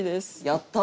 やった！